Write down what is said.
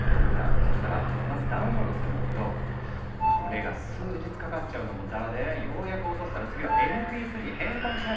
そしたらまずダウンロードするんだけどこれが数日かかっちゃうのもざらでようやく落とせたら次はＭＰ３に変換しなきゃならなかったんだ。